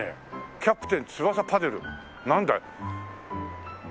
「キャプテン翼パデル」なんだい？